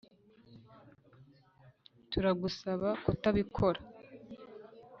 turagusaba kutabikora